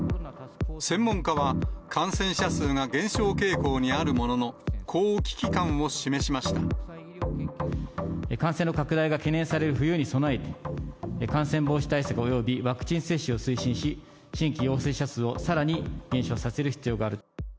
専門家は、感染者数が減少傾向にあるものの、感染の拡大が懸念される冬に備え、感染防止対策およびワクチン接種を推進し、新規陽性者数をさらに減少させる必要がある。